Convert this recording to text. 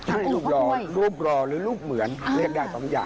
หรือรูปเหมือนเรียกได้สองอย่าง